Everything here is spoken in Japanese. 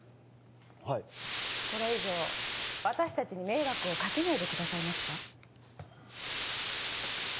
はいこれ以上私達に迷惑をかけないでくださいますか？